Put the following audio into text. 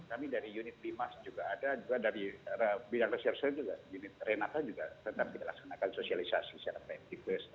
kami dari unit limas juga ada juga dari bidang resursen juga unit renata juga tetap dilaksanakan sosialisasi secara preventif